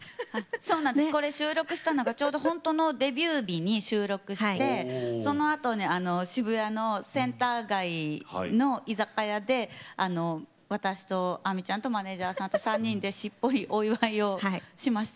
これを収録したのがちょうど本当のデビュー日に収録してそのあと、渋谷のセンター街の居酒屋で、私と亜美ちゃんとマネージャーさんと３人でしっぽり、お祝いをしました。